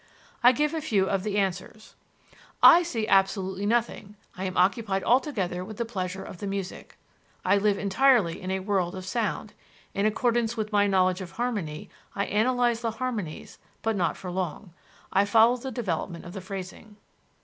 I give a few of the answers: "I see absolutely nothing; I am occupied altogether with the pleasure of the music: I live entirely in a world of sound. In accordance with my knowledge of harmony, I analyze the harmonies but not for long. I follow the development of the phrasing."